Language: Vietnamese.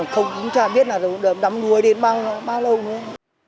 không chả biết là đắm đuôi đến bao lâu nữa